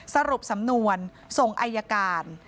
สรุปสำนวนส่งอายการ